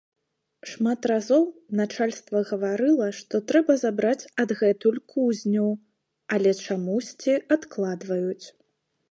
Шмат разоў начальства гаварыла, што трэба забраць адгэтуль кузню, але чамусьці адкладваюць.